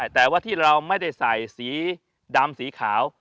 แต่ว่าที่เราไม่ได้ใส่สีดำสีขาว